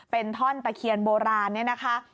เป็นท่อนตะเคียนโบราณเนี่ยนะคะ